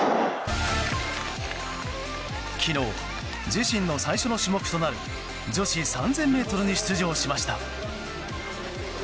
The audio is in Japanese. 昨日、自身の最初の種目となる女子３０００ｍに出場しました。